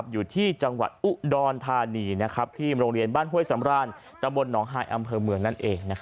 อยู่ที่จังหวัดอุดรธานีที่โรงเรียนบ้านห้วยสำรานตำบลหนองฮายอำเภอเมืองนั่นเอง